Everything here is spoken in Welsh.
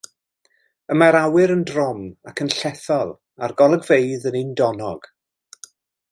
Y mae'r awyr yn drom ac yn llethol, a'r golygfeydd yn undonog.